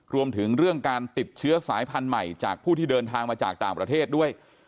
รวมถึงเรื่องการติดเชื้อสายพันธุ์ใหม่จากผู้ที่เดินทางมาจากต่างประเทศด้วย